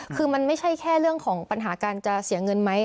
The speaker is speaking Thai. คือมันไม่ใช่แค่เรื่องของปัญหาการจะเสียเงินไหม